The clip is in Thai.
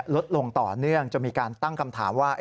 ลดลงต่อเนื่องจนมีการตั้งคำถามว่า